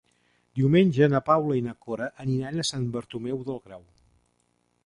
Diumenge na Paula i na Cora aniran a Sant Bartomeu del Grau.